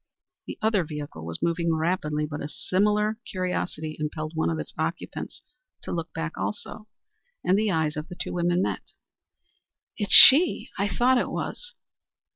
The other vehicle was moving rapidly, but a similar curiosity impelled one of its occupants to look hack also, and the eyes of the two women met. "It's she; I thought it was."